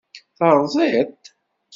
Terẓid-t?